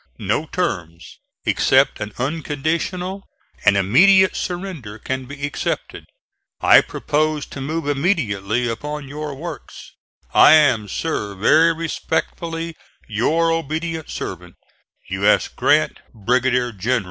No terms except an unconditional and immediate surrender can be accepted. I propose to move immediately upon your works. I am, sir, very respectfully, Your ob't se'v't, U. S. GRANT, Brig. Gen.